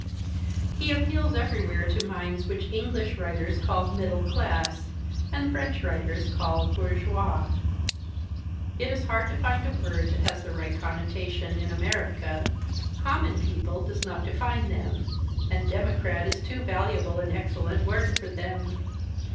He appeals everywhere to minds which English writers call "middle class" and French writers call "bourgeois." It is hard to find a word that has the right connotation in America. "Common people" does not define them, and "democrat" is too valuable and excellent a word for them.